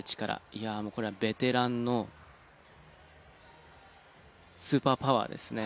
いやあこれはベテランのスーパーパワーですね。